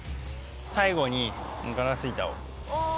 最後にガラス板を。